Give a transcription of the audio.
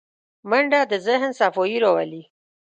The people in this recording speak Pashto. منډه د ذهن صفايي راولي